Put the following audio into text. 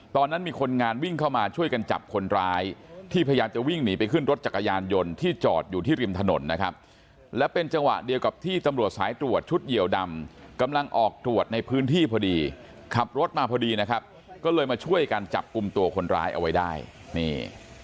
ตอนนั้นมีคนงานวิ่งเข้ามาช่วยกันจับคนร้ายที่พยายามจะวิ่งหนีไปขึ้นรถจักรยานยนต์ที่จอดอยู่ที่ริมถนนนะครับและเป็นจังหวะเดียวกับที่ตำรวจสายตรวจชุดเหยียวดำกำลังออกตรวจในพื้นที่พอดีขับรถมาพอดีนะครับก็เลยมาช่วยกันจับกลุ่มตัวคนร้ายเอาไว้ได้นี่